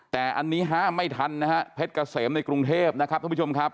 แต่อันนี้ห้ามไม่ทันนะฮะเพชรเกษมในกรุงเทพนะครับท่านผู้ชมครับ